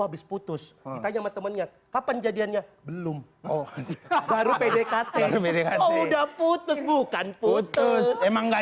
habis putus tanya temennya kapan jadinya belum baru pdkt udah putus bukan putus emang nggak